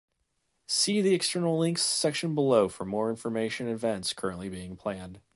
See the "External Links" section below for more information events currently being planned.